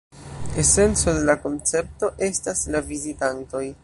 Esenco de la koncepto estas la vizitantoj.